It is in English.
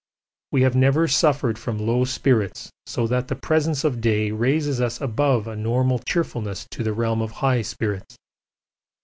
We have never suffered from low spirits, so that the presence of day raises us above a normal cheerfulness to the realm of high spirits.